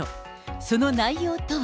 その内容とは。